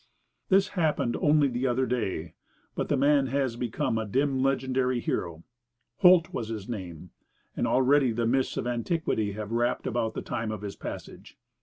This happened only the other day, but the man has become a dim legendary hero. Holt was his name, and already the mists of antiquity have wrapped about the time of his passage.